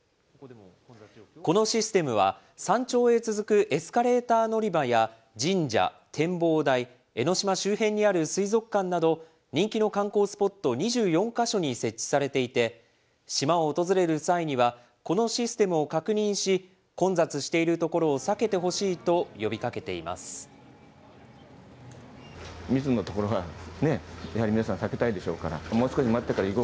このシステムは、山頂へ続くエスカレーター乗り場や神社、展望台、江の島周辺にある水族館など、人気の観光スポット２４か所に設置されていて、島を訪れる際には、このシステムを確認し、混雑しているところを避けてほしいと呼びかけています。